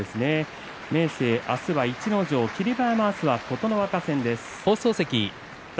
明生は明日は逸ノ城霧馬山は明日は琴ノ若戦です。